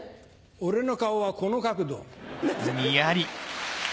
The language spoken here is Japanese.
俺の顔はこの角度。